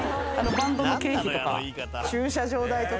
バンドの経費とか駐車場代とか。